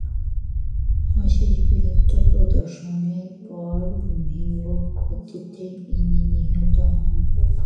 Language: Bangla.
অশেষ বীরত্ব প্রদর্শনের পর ভীষ্ম কর্তৃক ইনি নিহত হন।